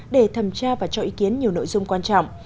để thẩm tra và cho ý kiến nhiều nội dung quan trọng